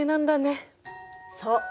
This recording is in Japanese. そう。